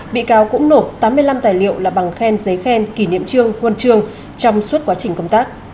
vị cáo cũng nộp tám mươi năm tài liệu là bằng khen giấy khen kỷ niệm trương quân trương trong suốt quá trình công tác